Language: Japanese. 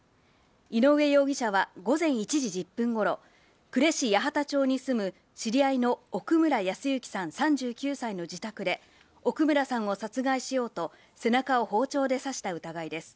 井上容疑者は午前１時１０分頃、呉市八幡町に住む知り合いの奥村康之さん、３９歳の自宅で奥村さんを殺害しようと、背中を包丁で刺した疑いです。